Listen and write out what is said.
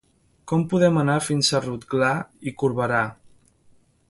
Com podem anar fins a Rotglà i Corberà?